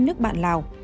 nước bạn lào